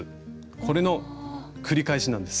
これの繰り返しなんです。